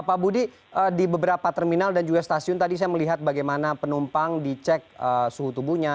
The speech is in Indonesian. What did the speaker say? pak budi di beberapa terminal dan juga stasiun tadi saya melihat bagaimana penumpang dicek suhu tubuhnya